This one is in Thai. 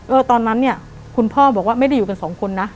ตอนนั้นเนี่ยคุณพ่อบอกว่าไม่ได้อยู่กันสองคนนะ